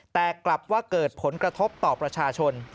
แต่กลับว่าเกิดผลกระทบต่อประชาชน